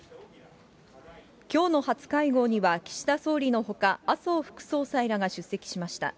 きょうの初会合には岸田総理のほか、麻生副総裁らが出席しました。